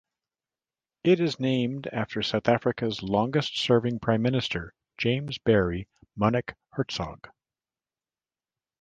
It is named after South Africa's longest-serving prime minister James Barry Munnik Hertzog.